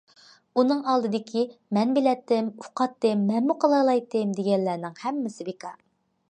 ئۇنىڭ ئالدىدىكى« مەن بىلەتتىم، ئۇقاتتىم، مەنمۇ قىلالايتتىم» دېگەنلەرنىڭ ھەممىسى بىكار.